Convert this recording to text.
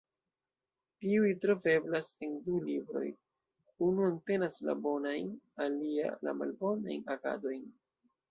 Tiuj troveblas en du libroj: unu entenas la bonajn alia la malbonajn agadojn.